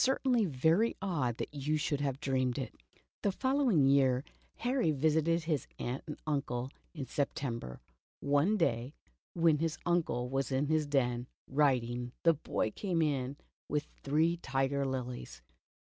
certainly very odd that you should have dreamed it." The following year Harry visited his aunt and uncle in September. One day when his uncle was in his den, writing, the boy came in with three tiger lilies.